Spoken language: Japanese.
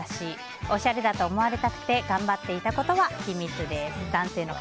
おしゃれだと思われたくて頑張っていたことは秘密です。